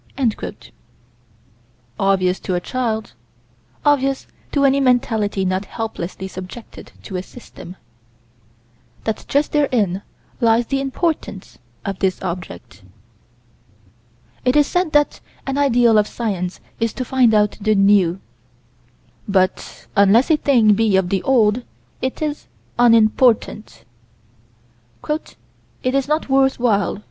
Obvious to a child; obvious to any mentality not helplessly subjected to a system: That just therein lies the importance of this object. It is said that an ideal of science is to find out the new but, unless a thing be of the old, it is "unimportant." "It is not worth while."